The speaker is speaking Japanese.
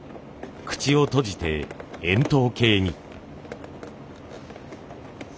口を閉じて円筒形に。